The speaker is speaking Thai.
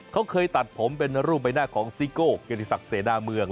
เขาเคยตัดผมเป็นรูปใบหน้าของซิโก้เกียรติศักดิเสนาเมือง